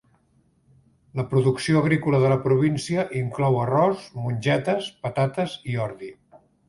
La producció agrícola de la província inclou arròs, mongetes, patates i ordi.